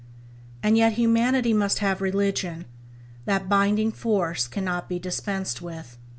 And yet humanity must have religion — that binding force cannot be dispensed with.